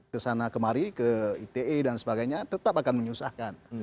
kesana kemari ke ite dan sebagainya tetap akan menyusahkan